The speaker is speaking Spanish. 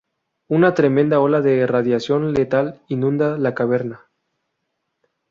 Una tremenda ola de radiación letal inunda la caverna.